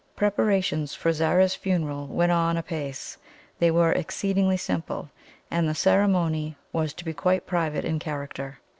Preparations for Zara's funeral went on apace; they were exceedingly simple, and the ceremony was to be quite private in character.